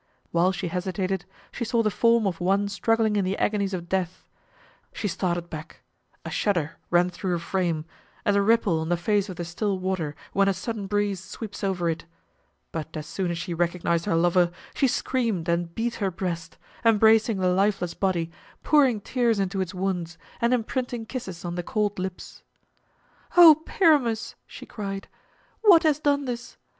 While she hesitated she saw the form of one struggling in the agonies of death. She started back, a shudder ran through her frame as a ripple on the face of the still water when a sudden breeze sweeps over it. But as soon as she recognized her lover, she screamed and beat her breast, embracing the lifeless body, pouring tears into its wounds, and imprinting kisses on the cold lips. "O Pyramus," she cried, "what has done this?